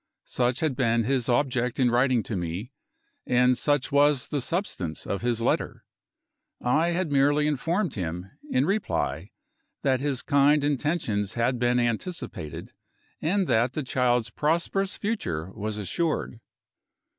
Such had been his object in writing to me; and such was the substance of his letter. I had merely informed him, in reply, that his kind intentions had been anticipated, and that the child's prosperous future was assured.